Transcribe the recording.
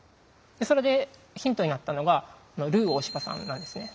それでヒントになったのがルー大柴さんなんですね。